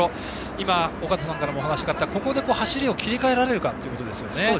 今、尾方さんからもお話があったここで走りを切り替えられるかですね。